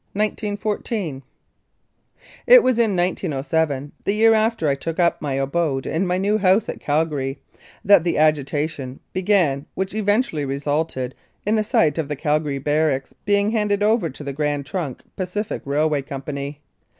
1914 IT was in 1907, the year after I took up my abode in my new house at Calgary, that the agitation began which eventually resulted in the site of the Calgary Barracks being handed over to the Grand Trunk Pacific Railway Company.